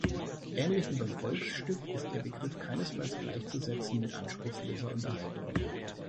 Ähnlich wie beim Volksstück ist der Begriff keinesfalls gleichzusetzen mit „anspruchsloser Unterhaltung“.